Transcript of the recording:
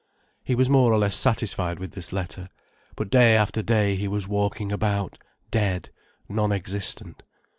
He was more or less satisfied with this letter. But day after day he was walking about, dead, non existent.